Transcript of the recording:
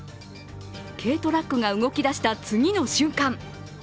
軽トラックが動き出した次の瞬間